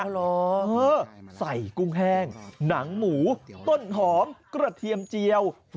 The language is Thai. ใส่กุ้งแห้งหนังหมูต้นหอมกระเทียมเจียว